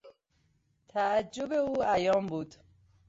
تعجب او عیان بود.